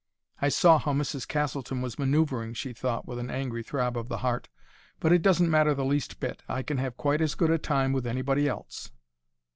"I saw how Mrs. Castleton was manoeuvring," she thought with an angry throb of the heart. "But it doesn't matter the least bit. I can have quite as good a time with anybody else."